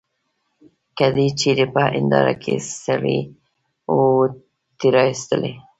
که دي چیري په هنیداره کي سړی وو تېرایستلی.